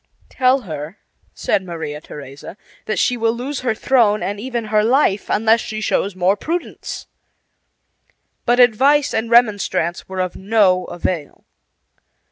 "Tell her," said Maria Theresa, "that she will lose her throne, and even her life, unless she shows more prudence." But advice and remonstrance were of no avail.